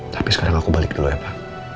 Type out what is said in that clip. tapi sekarang aku balik dulu ya pak